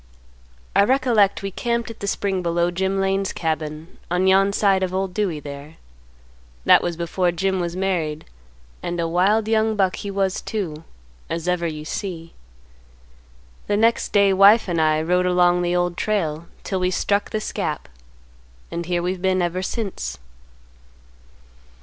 I recollect we camped at the spring below Jim Lane's cabin on yon side of Old Dewey, there. That was before Jim was married, and a wild young buck he was too, as ever you see. The next day wife and I rode along the Old Trail 'til we struck this gap, and here we've been ever since.